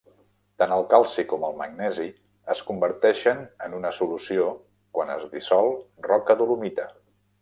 Tant el calci com el magnesi es converteixen en una solució quan es dissol roca dolomita.